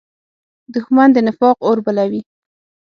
دښمن د نفاق اور بلوي